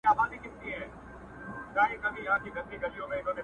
چي مي هر څه غلا کول دې نازولم،